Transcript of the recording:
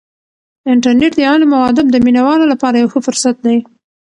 انټرنیټ د علم او ادب د مینه والو لپاره یو ښه فرصت دی.